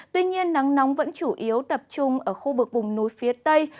tuy nhiên nắng nóng vẫn chủ yếu tập trung ở khu vực vùng núi phía tây